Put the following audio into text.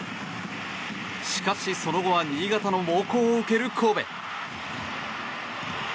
しかし、その後は新潟の猛攻を受ける神戸。